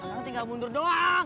kalian tinggal mundur doang